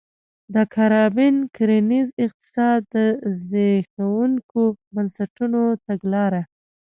د کارابین کرنیز اقتصاد کې د زبېښونکو بنسټونو تګلاره